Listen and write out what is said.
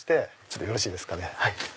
ちょっとよろしいですかね。